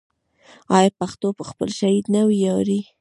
آیا پښتون په خپل شهید نه ویاړي؟